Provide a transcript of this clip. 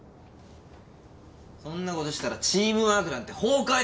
そんな事したらチームワークなんて崩壊ですよ。